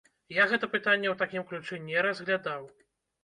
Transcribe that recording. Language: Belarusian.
Я гэта пытанне ў такім ключы не разглядаў.